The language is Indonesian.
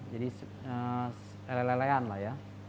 jadi ele elean lah ya